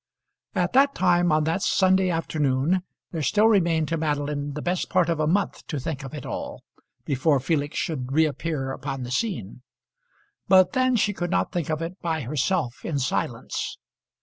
At that time, on that Sunday afternoon, there still remained to Madeline the best part of a month to think of it all, before Felix should reappear upon the scene. But then she could not think of it by herself in silence.